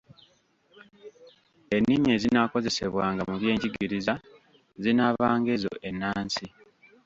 Ennimi ezinaakozesebwanga mu byenjigiriza zinaabanga ezo ennansi.